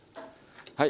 はい。